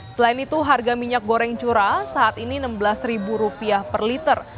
selain itu harga minyak goreng curah saat ini rp enam belas per liter